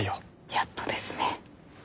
やっとですね。